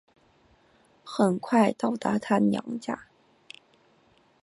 很快到达她娘家